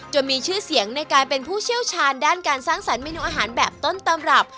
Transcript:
มีชื่อเสียงในการเป็นผู้เชี่ยวชาญด้านการสร้างสรรคเมนูอาหารแบบต้นตำรับ